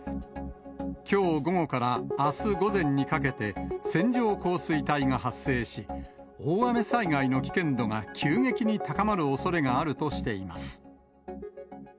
きょう午後からあす午前にかけて、線状降水帯が発生し、大雨災害の危険度が急激に高まるおそれがあるとしています。